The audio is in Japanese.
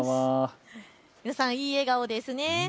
皆さん、いい笑顔ですね。